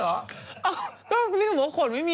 ก็ไม่รู้ว่าขนไม่มี